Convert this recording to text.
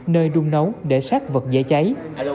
nơi đun nấu để sát vật dễ cháy